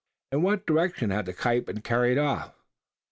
In what direction had the kite been carried off?